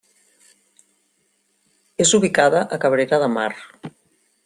És ubicada a Cabrera de Mar.